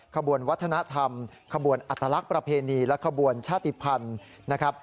ขบวนวัฒนธรรมขบวนอัตลักษณ์ประเพณีและขบวนชาติภัณฑ์นะครับ